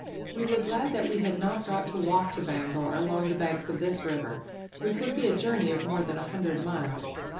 We were glad that we had not got to walk to Bangor along the banks of this river, which would be a journey of more than a hundred miles.